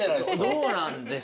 どうなんですか？